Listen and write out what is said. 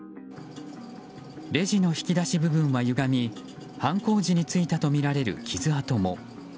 レジの引き出し部分はゆがみ犯行時についたとみられる傷跡も。